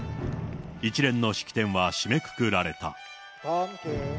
一連の式典は締めくくられた。